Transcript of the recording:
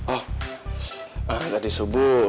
oh tadi subuh